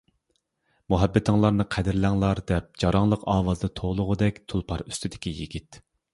مۇھەببىتىڭلارنى قەدىرلەڭلار، دەپ جاراڭلىق ئاۋازدا توۋلىغۇدەك تۇلپار ئۈستىدىكى يىگىت.